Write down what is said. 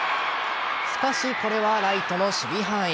しかし、これはライトの守備範囲。